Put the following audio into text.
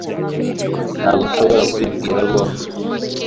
ntabwo nshobora kubibwira bombi